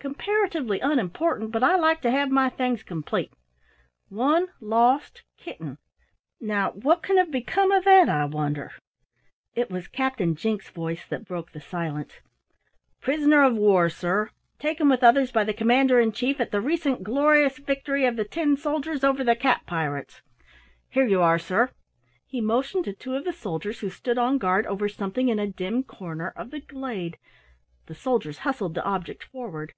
Comparatively unimportant, but I like to have my things complete. 'One lost Kitten!' Now what can have become of that, I wonder?" It was Captain Jinks' voice that broke the silence. "Prisoner of War, sir! Taken with others by the Commander in Chief in the recent glorious victory of the tin soldiers over the cat pirates. Here you are, sir!" He motioned to two of the soldiers who stood on guard over something in a dim corner of the glade. The soldiers hustled the object forward.